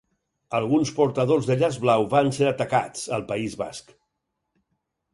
Alguns portadors de llaç blau van ser atacats, al País Basc.